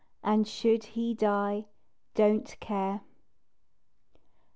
And should he die, don't care.